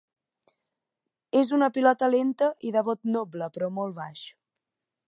És una pilota lenta i de bot noble però molt baix.